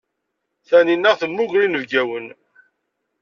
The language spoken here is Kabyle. Tanina temmuger inebgiwen.